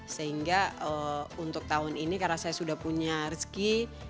sehingga untuk tahun ini karena saya sudah punya rezeki